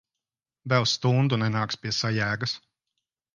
Vēl stundu nenāks pie sajēgas.